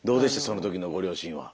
その時のご両親は。